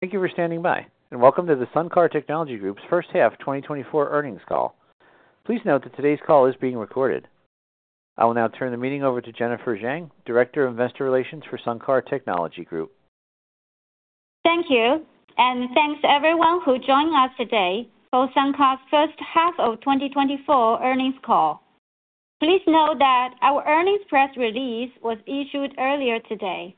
Thank you for standing by, and welcome to the SunCar Technology Group's first half 2024 earnings call. Please note that today's call is being recorded. I will now turn the meeting over to Jennifer Jiang, Director of Investor Relations for SunCar Technology Group. Thank you, and thanks to everyone who joined us today for SunCar's first half of twenty twenty-four earnings call. Please note that our earnings press release was issued earlier today,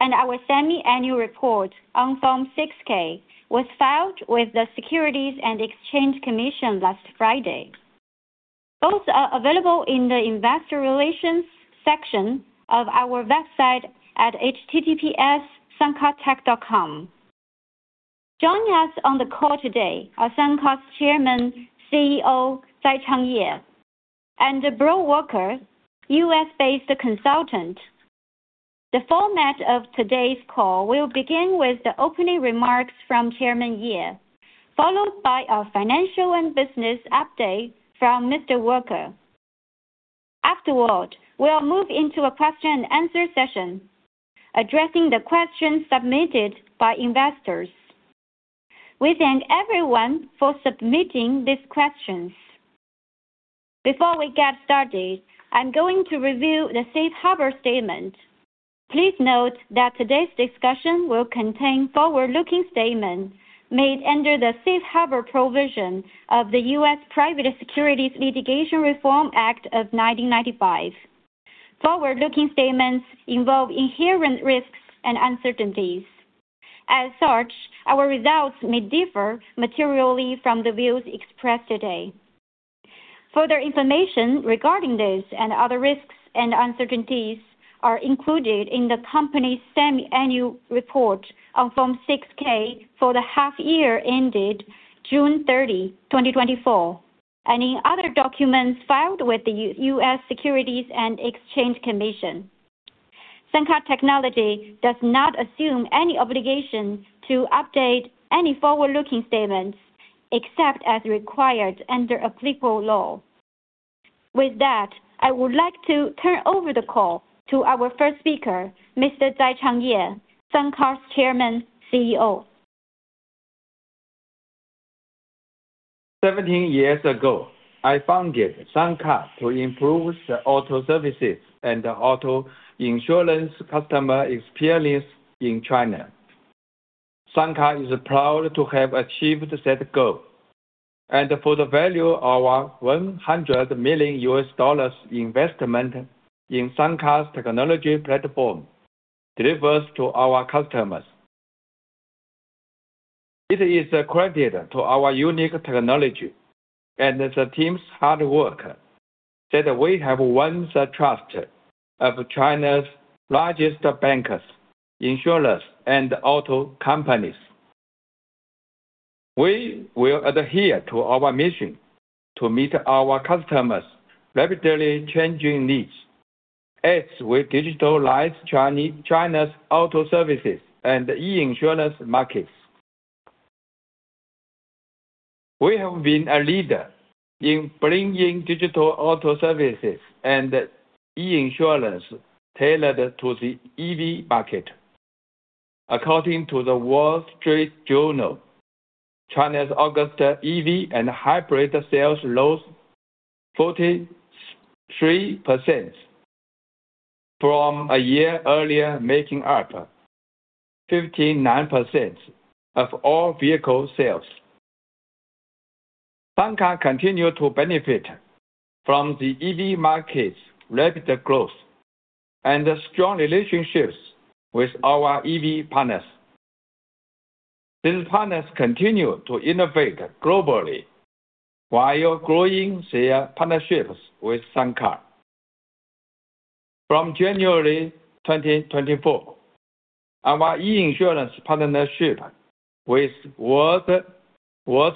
and our semi-annual report on Form 6-K was filed with the Securities and Exchange Commission last Friday. Those are available in the investor relations section of our website at https://suncartech.com. Joining us on the call today are SunCar's Chairman, CEO, Zaichang Ye, and Breaux Walker, U.S.-based consultant. The format of today's call will begin with the opening remarks from Chairman Ye, followed by a financial and business update from Mr. Walker. Afterward, we'll move into a question and answer session, addressing the questions submitted by investors. We thank everyone for submitting these questions. Before we get started, I'm going to review the Safe Harbor statement. Please note that today's discussion will contain forward-looking statements made under the Safe Harbor provision of the U.S. Private Securities Litigation Reform Act of 1995. Forward-looking statements involve inherent risks and uncertainties. As such, our results may differ materially from the views expressed today. Further information regarding this and other risks and uncertainties are included in the company's semi-annual report on Form 6-K for the half year ended June 30th, 2024. Any other documents filed with the U.S. Securities and Exchange Commission. SunCar Technology does not assume any obligation to update any forward-looking statements, except as required under applicable law. With that, I would like to turn over the call to our first speaker, Mr. Zaichang Ye, SunCar's Chairman and CEO. 17 years ago, I founded SunCar to improve the auto services and auto insurance customer experience in China. SunCar is proud to have achieved set goal, and for the value of our $100 million investment in SunCar's technology platform delivers to our customers. It is a credit to our unique technology and the team's hard work that we have won the trust of China's largest bankers, insurers, and auto companies. We will adhere to our mission to meet our customers' rapidly changing needs as we digitalize China's auto services and e-insurance markets. We have been a leader in bringing digital auto services and e-insurance tailored to the EV market. According to the Wall Street Journal, China's August EV and hybrid sales rose 43% from a year earlier, making up 59% of all vehicle sales. SunCar continue to benefit from the EV market's rapid growth and strong relationships with our EV partners. These partners continue to innovate globally while growing their partnerships with SunCar. From January 2024, our e-insurance partnership with world's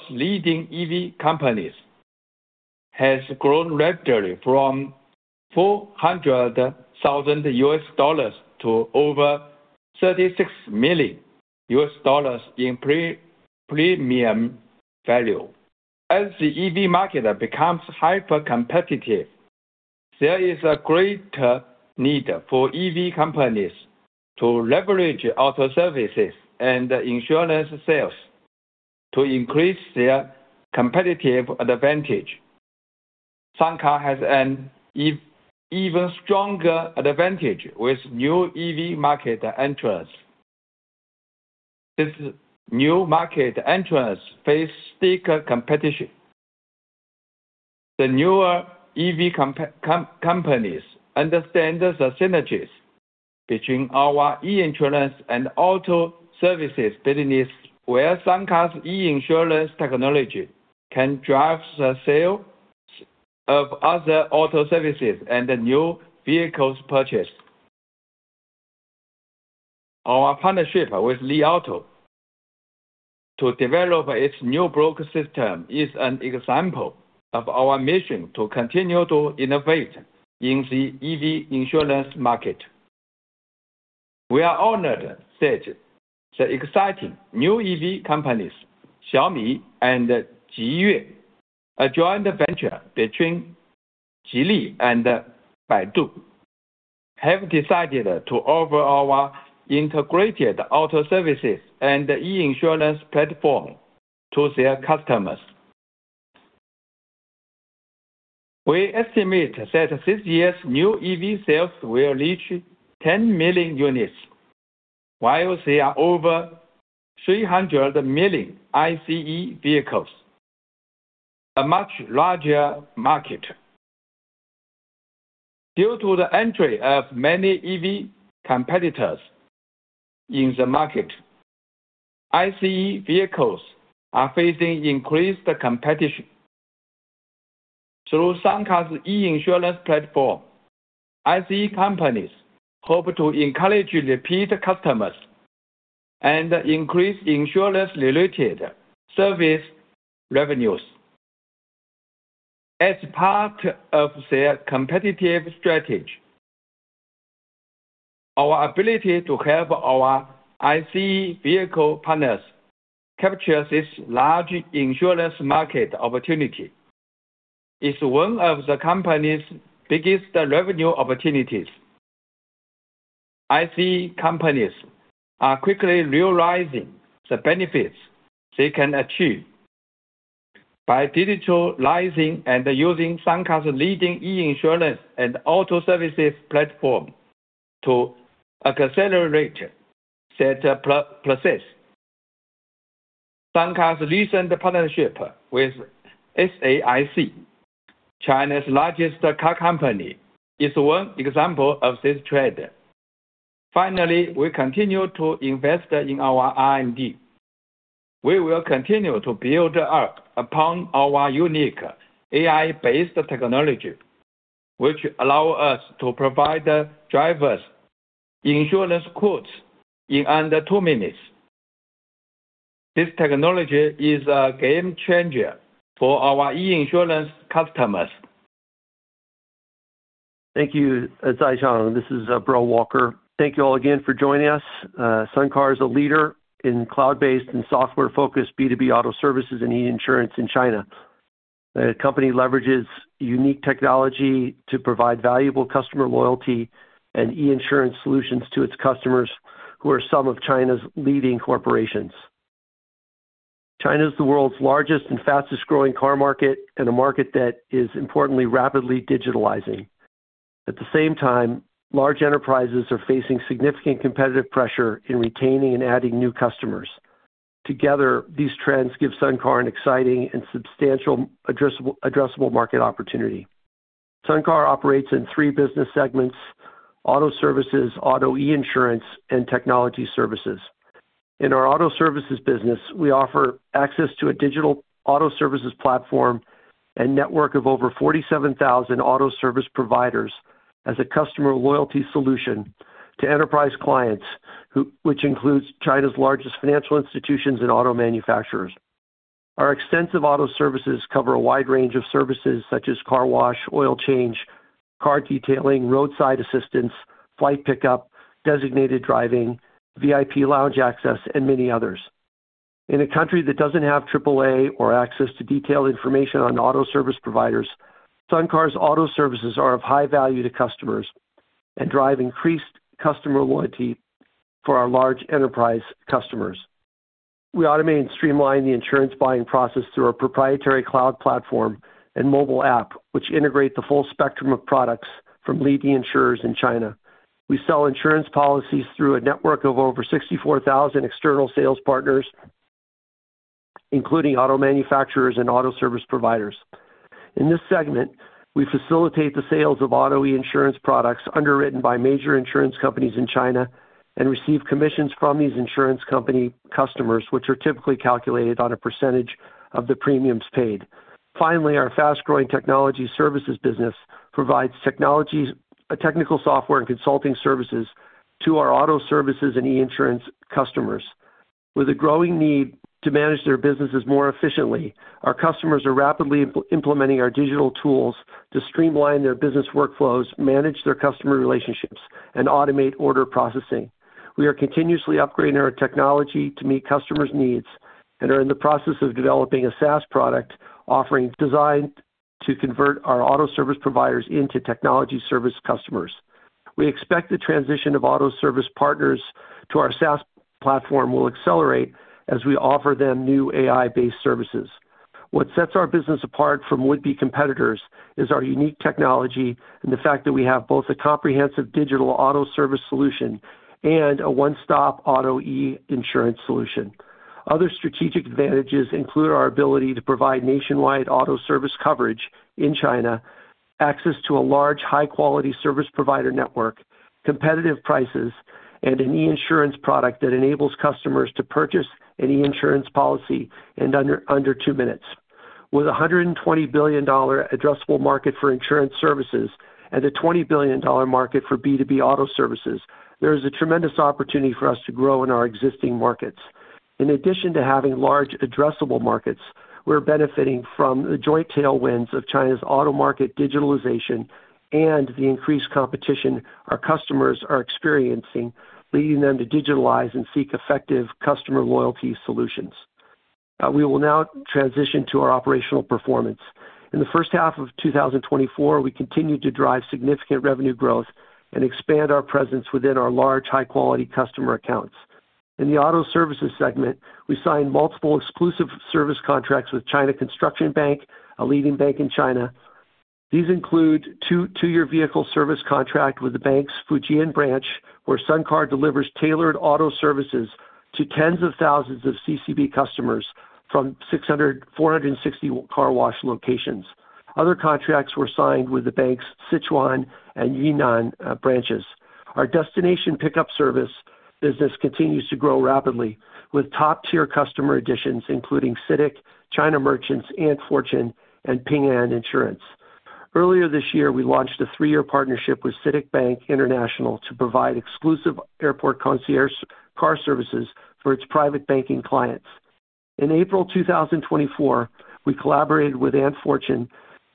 leading EV companies has grown rapidly from $400,000 million to over $36 million in premium value. As the EV market becomes hypercompetitive, there is a great need for EV companies to leverage auto services and insurance sales to increase their competitive advantage. SunCar has an even stronger advantage with new EV market entrants. These new market entrants face thicker competition. The newer EV companies understand the synergies between our e-insurance and auto services business, where SunCar's e-insurance technology can drive the sale of other auto services and the new vehicles purchased. Our partnership with Li Auto to develop its new broker system is an example of our mission to continue to innovate in the EV insurance market. We are honored that the exciting new EV companies, Xiaomi and Jiyue, a joint venture between Geely and Baidu, have decided to offer our integrated auto services and e-insurance platform to their customers. We estimate that this year's new EV sales will reach 10 million units, while there are over 300 million ICE vehicles, a much larger market. Due to the entry of many EV competitors in the market, ICE vehicles are facing increased competition. Through SunCar's e-insurance platform, ICE companies hope to encourage repeat customers and increase insurance-related service revenues. As part of their competitive strategy, our ability to help our ICE vehicle partners capture this large insurance market opportunity is one of the company's biggest revenue opportunities. ICE companies are quickly realizing the benefits they can achieve by digitalizing and using SunCar's leading e-insurance and auto services platform to accelerate that process. SunCar's recent partnership with SAIC, China's largest car company, is one example of this trend. Finally, we continue to invest in our R&D. We will continue to build up upon our unique AI-based technology, which allow us to provide drivers insurance quotes in under two minutes. This technology is a game changer for our e-insurance customers. Thank you, Zaichang. This is Breaux Walker. Thank you all again for joining us. SunCar is a leader in cloud-based and software-focused B2B auto services and e-insurance in China. The company leverages unique technology to provide valuable customer loyalty and e-insurance solutions to its customers, who are some of China's leading corporations. China is the world's largest and fastest-growing car market, and a market that is importantly, rapidly digitalizing. At the same time, large enterprises are facing significant competitive pressure in retaining and adding new customers. Together, these trends give SunCar an exciting and substantial addressable market opportunity. SunCar operates in three business segments: auto services, auto e-insurance, and technology services. In our auto services business, we offer access to a digital auto services platform and network of over 47,000 auto service providers as a customer loyalty solution to enterprise clients, which includes China's largest financial institutions and auto manufacturers. Our extensive auto services cover a wide range of services such as car wash, oil change, car detailing, roadside assistance, flight pickup, designated driving, VIP lounge access, and many others. In a country that doesn't have AAA or access to detailed information on auto service providers, SunCar's auto services are of high value to customers and drive increased customer loyalty for our large enterprise customers. We automate and streamline the insurance buying process through our proprietary cloud platform and mobile app, which integrate the full spectrum of products from leading insurers in China. We sell insurance policies through a network of over 64,000 external sales partners, including auto manufacturers and auto service providers. In this segment, we facilitate the sales of auto e-insurance products underwritten by major insurance companies in China, and receive commissions from these insurance company customers, which are typically calculated on a percentage of the premiums paid. Finally, our fast-growing technology services business provides technologies, technical software and consulting services to our auto services and e-insurance customers. With a growing need to manage their businesses more efficiently, our customers are rapidly implementing our digital tools to streamline their business workflows, manage their customer relationships, and automate order processing. We are continuously upgrading our technology to meet customers' needs, and are in the process of developing a SaaS product offering designed to convert our auto service providers into technology service customers. We expect the transition of auto service partners to our SaaS platform will accelerate as we offer them new AI-based services. What sets our business apart from would-be competitors is our unique technology and the fact that we have both a comprehensive digital auto service solution and a one-stop auto e-insurance solution. Other strategic advantages include our ability to provide nationwide auto service coverage in China, access to a large, high-quality service provider network, competitive prices, and an e-insurance product that enables customers to purchase an e-insurance policy in under two minutes. With a $120 billion addressable market for insurance services and a $20 billion market for B2B auto services, there is a tremendous opportunity for us to grow in our existing markets. In addition to having large addressable markets, we're benefiting from the joint tailwinds of China's auto market digitalization and the increased competition our customers are experiencing, leading them to digitalize and seek effective customer loyalty solutions. We will now transition to our operational performance. In the first half of two thousand and twenty-four, we continued to drive significant revenue growth and expand our presence within our large, high-quality customer accounts. In the auto services segment, we signed multiple exclusive service contracts with China Construction Bank, a leading bank in China. These include two two-year vehicle service contract with the bank's Fujian branch, where SunCar delivers tailored auto services to tens of thousands of CCB customers from four hundred and sixty car wash locations. Other contracts were signed with the bank's Sichuan and Yunnan branches. Our destination pickup service business continues to grow rapidly, with top-tier customer additions, including CITIC, China Merchants, Ant Fortune, and Ping An Insurance. Earlier this year, we launched a three-year partnership with CITIC Bank International to provide exclusive airport concierge car services for its private banking clients. In April two thousand and twenty-four, we collaborated with Ant Fortune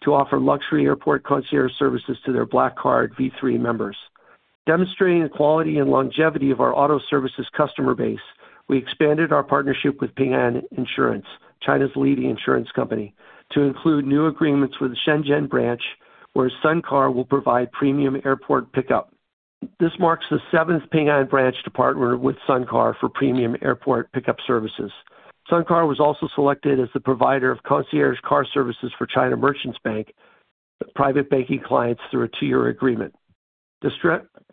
to offer luxury airport concierge services to their Black Card V3 members. Demonstrating the quality and longevity of our auto services customer base, we expanded our partnership with Ping An Insurance, China's leading insurance company, to include new agreements with the Shenzhen branch, where SunCar will provide premium airport pickup. This marks the seventh Ping An branch to partner with SunCar for premium airport pickup services. SunCar was also selected as the provider of concierge car services for China Merchants Bank private banking clients through a two-year agreement.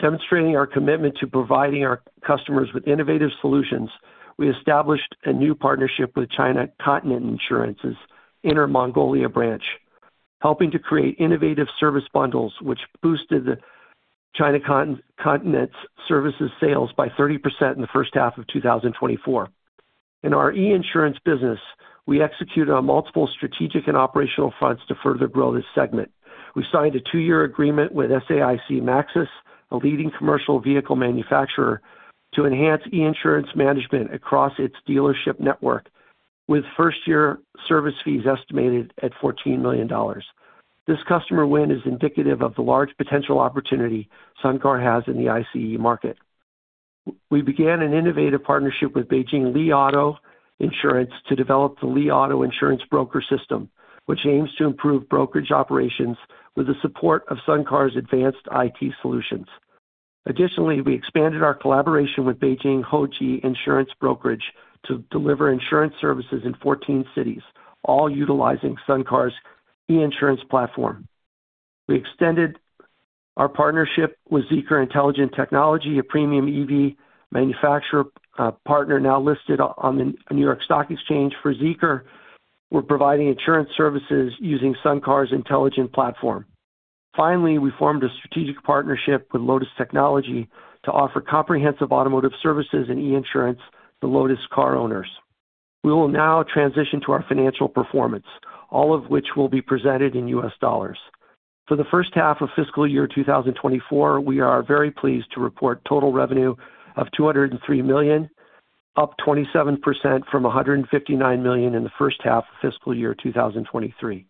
Demonstrating our commitment to providing our customers with innovative solutions, we established a new partnership with China Continent Insurance's Inner Mongolia branch, helping to create innovative service bundles, which boosted the China Continent's services sales by 30% in the first half of two thousand and twenty-four. In our e-insurance business, we executed on multiple strategic and operational fronts to further grow this segment. We signed a two-year agreement with SAIC Maxus, a leading commercial vehicle manufacturer, to enhance e-insurance management across its dealership network, with first-year service fees estimated at $14 million. This customer win is indicative of the large potential opportunity SunCar has in the ICE market. We began an innovative partnership with Beijing Li Auto Insurance to develop the Li Auto Insurance broker system, which aims to improve brokerage operations with the support of SunCar's advanced IT solutions. Additionally, we expanded our collaboration with Beijing Houji Insurance Brokerage to deliver insurance services in fourteen cities, all utilizing SunCar's e-insurance platform. We extended our partnership with Zeekr Intelligent Technology, a premium EV manufacturer, partner now listed on the New York Stock Exchange. For Zeekr, we're providing insurance services using SunCar's intelligent platform. Finally, we formed a strategic partnership with Lotus Technology to offer comprehensive automotive services and e-insurance to Lotus car owners. We will now transition to our financial performance, all of which will be presented in US dollars. For the first half of fiscal year 2024, we are very pleased to report total revenue of $203 million, up 27% from $159 million in the first half of fiscal year 2023.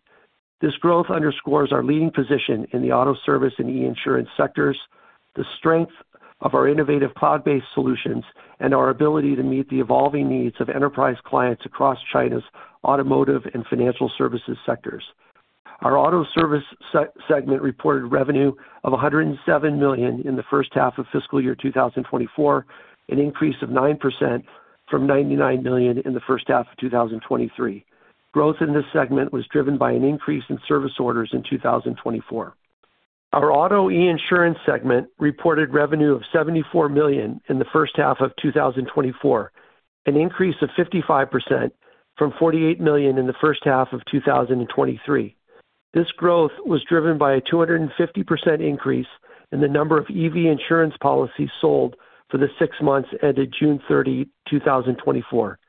This growth underscores our leading position in the auto service and e-insurance sectors, the strength of our innovative cloud-based solutions, and our ability to meet the evolving needs of enterprise clients across China's automotive and financial services sectors. Our auto service segment reported revenue of $107 million in the first half of fiscal year 2024, an increase of 9% from $99 million in the first half of 2023. Growth in this segment was driven by an increase in service orders in 2024. Our auto e-insurance segment reported revenue of $74 million in the first half of fiscal year 2024, an increase of 55% from $48 million in the first half of 2023. This growth was driven by a 250% increase in the number of EV insurance policies sold for the six months ended June 30, 2024.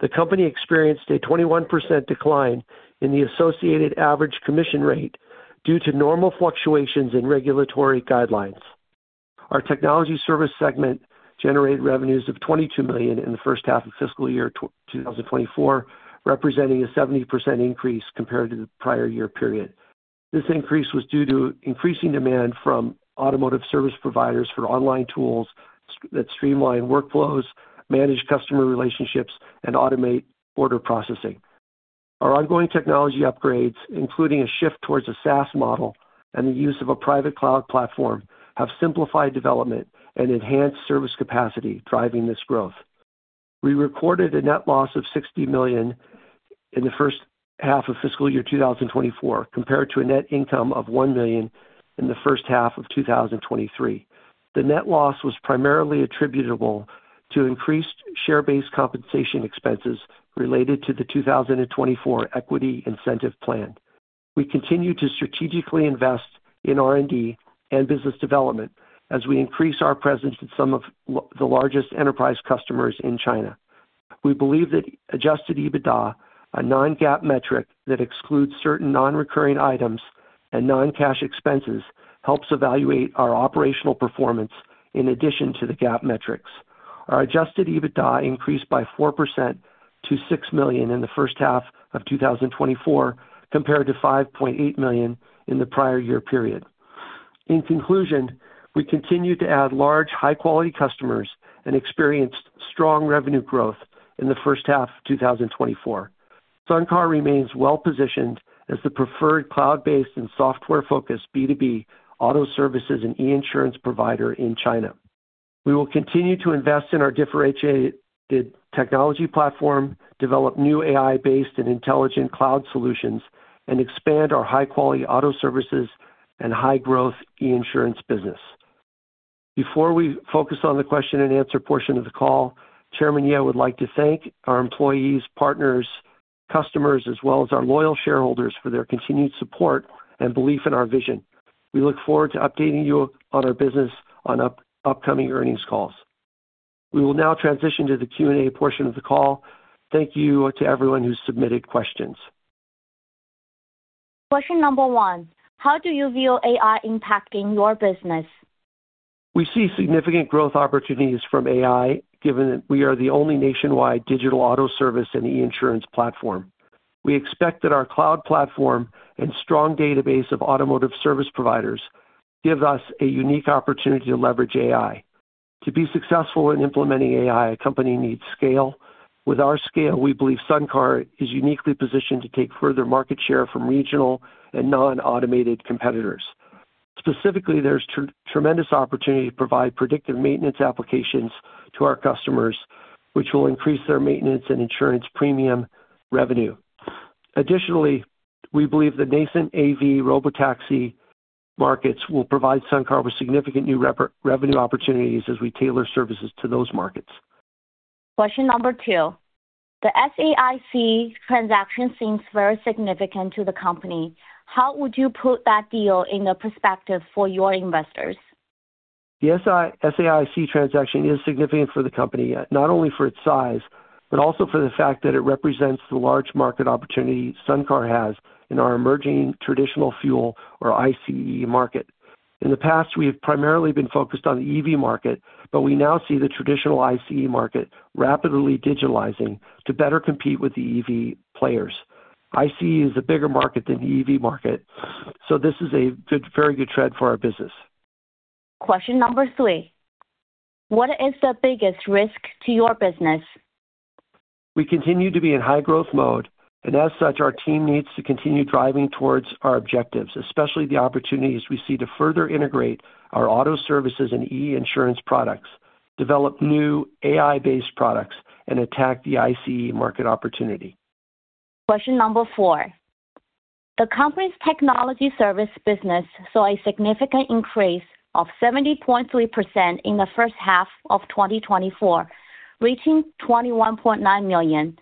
The company experienced a 21% decline in the associated average commission rate due to normal fluctuations in regulatory guidelines. Our technology service segment generated revenues of $22 million in the first half of fiscal year 2024, representing a 70% increase compared to the prior year period. This increase was due to increasing demand from automotive service providers for online tools that streamline workflows, manage customer relationships, and automate order processing. Our ongoing technology upgrades, including a shift towards a SaaS model and the use of a private cloud platform, have simplified development and enhanced service capacity, driving this growth. We recorded a net loss of $60 million in the first half of fiscal year 2024, compared to a net income of $1 million in the first half of 2023. The net loss was primarily attributable to increased share-based compensation expenses related to the 2024 equity incentive plan. We continue to strategically invest in R&D and business development as we increase our presence in some of the largest enterprise customers in China. We believe that Adjusted EBITDA, a non-GAAP metric that excludes certain non-recurring items and non-cash expenses, helps evaluate our operational performance in addition to the GAAP metrics. Our adjusted EBITDA increased by 4% to $6 million in the first half of 2024, compared to $5.8 million in the prior year period. In conclusion, we continue to add large, high-quality customers and experienced strong revenue growth in the first half of 2024. SunCar remains well-positioned as the preferred cloud-based and software-focused B2B auto services and insurance provider in China. We will continue to invest in our differentiated technology platform, develop new AI-based and intelligent cloud solutions, and expand our high-quality auto services and high-growth insurance business. Before we focus on the question and answer portion of the call, Chairman Ye would like to thank our employees, partners, customers, as well as our loyal shareholders for their continued support and belief in our vision. We look forward to updating you on our business on upcoming earnings calls. We will now transition to the Q&A portion of the call. Thank you to everyone who submitted questions. Question number one: How do you view AI impacting your business? We see significant growth opportunities from AI, given that we are the only nationwide digital auto service and insurance platform. We expect that our cloud platform and strong database of automotive service providers gives us a unique opportunity to leverage AI. To be successful in implementing AI, a company needs scale. With our scale, we believe SunCar is uniquely positioned to take further market share from regional and non-automated competitors. Specifically, there's tremendous opportunity to provide predictive maintenance applications to our customers, which will increase their maintenance and insurance premium revenue. Additionally, we believe the nascent AV robotaxi markets will provide SunCar with significant new revenue opportunities as we tailor services to those markets. Question number two: The SAIC transaction seems very significant to the company. How would you put that deal in a perspective for your investors? The SAIC transaction is significant for the company, not only for its size, but also for the fact that it represents the large market opportunity SunCar has in our emerging traditional fuel or ICE market. In the past, we have primarily been focused on the EV market, but we now see the traditional ICE market rapidly digitalizing to better compete with the EV players. ICE is a bigger market than the EV market, so this is a good, very good trend for our business. Question number three: What is the biggest risk to your business? We continue to be in high growth mode, and as such, our team needs to continue driving towards our objectives, especially the opportunities we see to further integrate our auto services and e-insurance products, develop new AI-based products, and attack the ICE market opportunity. Question number four: The company's technology service business saw a significant increase of 70.3% in the first half of twenty twenty-four, reaching 21.9 million.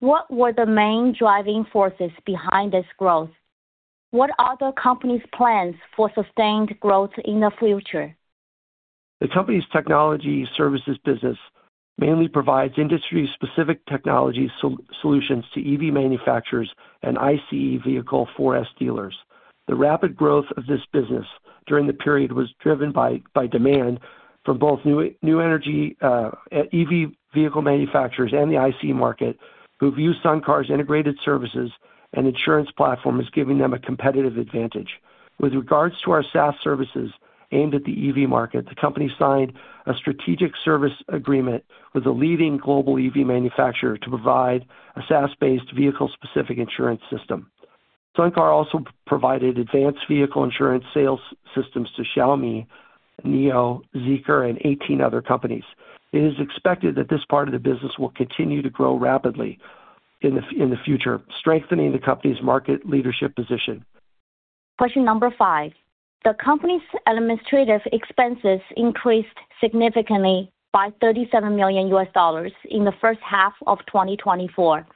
What were the main driving forces behind this growth? What are the company's plans for sustained growth in the future? The company's technology services business mainly provides industry-specific technology solutions to EV manufacturers and ICE vehicle 4S dealers. The rapid growth of this business during the period was driven by demand from both new energy EV vehicle manufacturers and the ICE market, who view SunCar's integrated services and insurance platform as giving them a competitive advantage. With regards to our SaaS services aimed at the EV market, the company signed a strategic service agreement with the leading global EV manufacturer to provide a SaaS-based vehicle-specific insurance system. SunCar also provided advanced vehicle insurance sales systems to Xiaomi, NIO, Zeekr, and 18 other companies. It is expected that this part of the business will continue to grow rapidly in the future, strengthening the company's market leadership position. Question number five: The company's administrative expenses increased significantly by $37 million in the first half of 2024,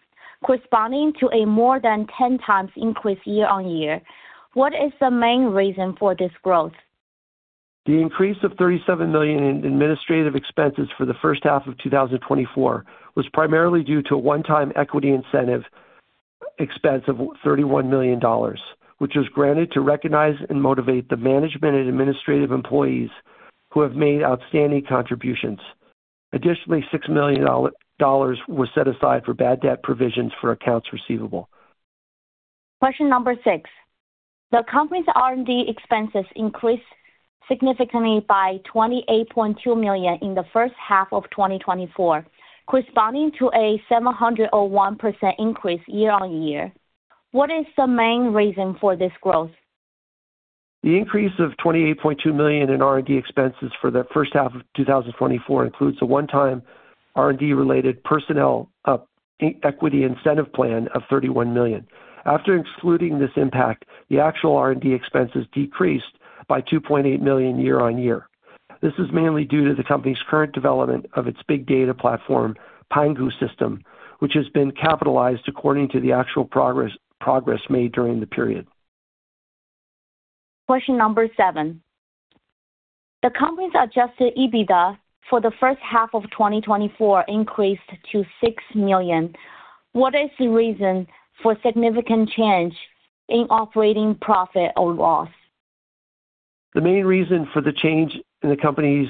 corresponding to a more than 10 times increase year on year. What is the main reason for this growth? The increase of 37 million in administrative expenses for the first half of 2024 was primarily due to a one-time equity incentive expense of $31 million, which was granted to recognize and motivate the management and administrative employees who have made outstanding contributions. Additionally, $6 million dollars was set aside for bad debt provisions for accounts receivable. Question number six: The company's R&D expenses increased significantly by 28.2 million in the first half of 2024, corresponding to a 701% increase year on year. What is the main reason for this growth? The increase of $28.2 million in R&D expenses for the first half of 2024 includes a one-time R&D-related personnel equity incentive plan of $31 million. After excluding this impact, the actual R&D expenses decreased by $2.8 million year on year. This is mainly due to the company's current development of its big data platform, Pangu System, which has been capitalized according to the actual progress made during the period. Question number seven: The company's Adjusted EBITDA for the first half of twenty twenty-four increased to $6 million. What is the reason for significant change in operating profit or loss? The main reason for the change in the company's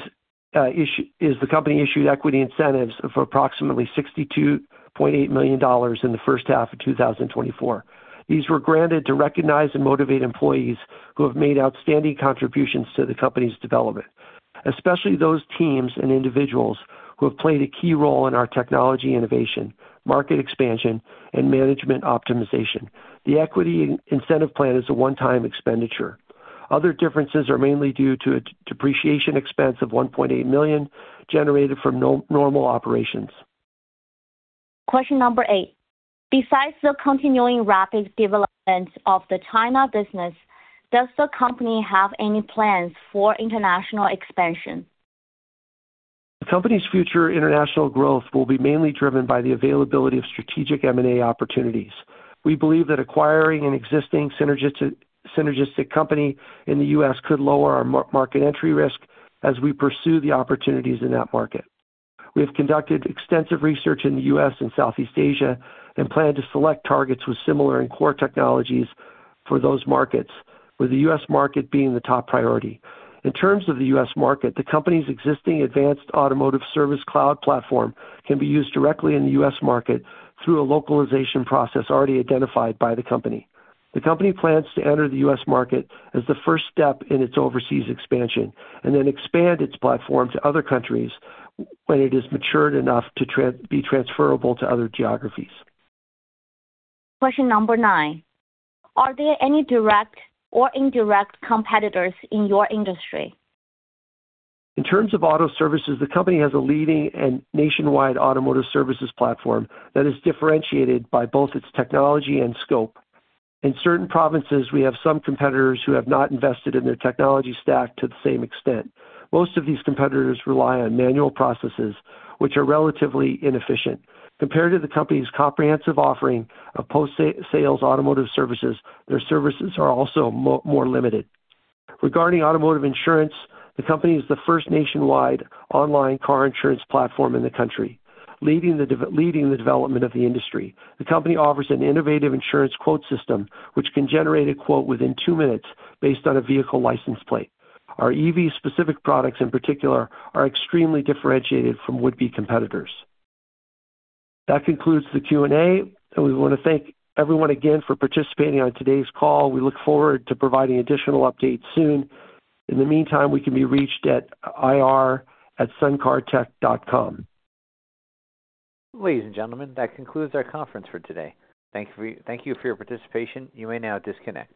issue is the company issued equity incentives of approximately $62.8 million in the first half of 2024. These were granted to recognize and motivate employees who have made outstanding contributions to the company's development, especially those teams and individuals who have played a key role in our technology innovation, market expansion, and management optimization. The equity incentive plan is a one-time expenditure. Other differences are mainly due to a depreciation expense of $1.8 million, generated from normal operations. Question number eight: Besides the continuing rapid development of the China business, does the company have any plans for international expansion? The company's future international growth will be mainly driven by the availability of strategic M&A opportunities. We believe that acquiring an existing synergistic company in the U.S. could lower our market entry risk as we pursue the opportunities in that market. We have conducted extensive research in the U.S. and Southeast Asia, and plan to select targets with similar and core technologies for those markets, with the U.S. market being the top priority. In terms of the U.S. market, the company's existing advanced automotive service cloud platform can be used directly in the U.S. market through a localization process already identified by the company. The company plans to enter the U.S. market as the first step in its overseas expansion, and then expand its platform to other countries when it is matured enough to be transferable to other geographies. Question number nine: Are there any direct or indirect competitors in your industry? In terms of auto services, the company has a leading and nationwide automotive services platform that is differentiated by both its technology and scope. In certain provinces, we have some competitors who have not invested in their technology stack to the same extent. Most of these competitors rely on manual processes, which are relatively inefficient. Compared to the company's comprehensive offering of post-sales automotive services, their services are also more limited. Regarding automotive insurance, the company is the first nationwide online car insurance platform in the country, leading the development of the industry. The company offers an innovative insurance quote system, which can generate a quote within two minutes based on a vehicle license plate. Our EV-specific products, in particular, are extremely differentiated from would-be competitors. That concludes the Q&A, and we want to thank everyone again for participating on today's call. We look forward to providing additional updates soon. In the meantime, we can be reached at ir@suncartech.com. Ladies and gentlemen, that concludes our conference for today. Thank you for your participation. You may now disconnect.